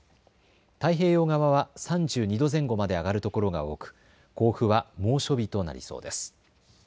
太平洋側は３２度前後まで上がるところが多く甲府は猛暑日となりそうです。